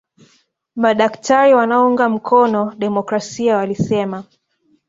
madaktari wanaounga mkono demokrasia walisema